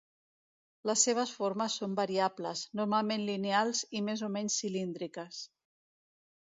Les seves formes són variables, normalment lineals i més o menys cilíndriques.